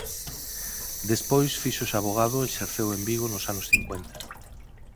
Despois fíxose avogado e exerceu en Vigo nos anos cincuenta.